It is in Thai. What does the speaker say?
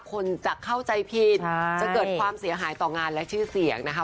คนจะเข้าใจผิดจะเกิดความเสียหายต่องานและชื่อเสียงนะคะ